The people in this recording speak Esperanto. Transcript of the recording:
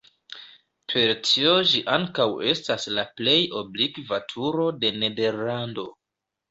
Per tio ĝi ankaŭ estas la plej oblikva turo de Nederlando.